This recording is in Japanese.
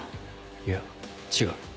いや違う。